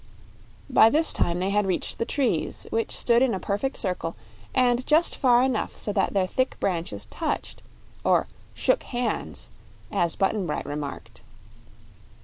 By this time they had reached the trees, which stood in a perfect circle and just far enough apart so that their thick branches touched or "shook hands," as Button Bright remarked.